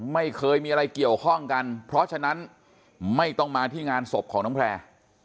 ไม่เคยมีอะไรเกี่ยวข้องกันเพราะฉะนั้นไม่ต้องมาที่งานศพของน้องแพร่